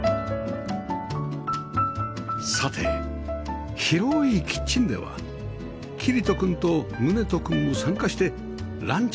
さて広いキッチンでは桐人くんと宗人くんも参加してランチの準備が始まりました